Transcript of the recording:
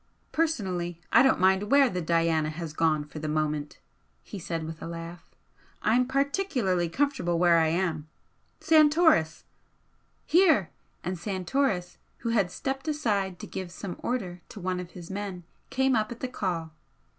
"Personally, I don't mind where the 'Diana' has gone to for the moment," he said, with a laugh "I'm particularly comfortable where I am. Santoris!" "Here!" And Santoris, who had stepped aside to give some order to one of his men, came up at the call.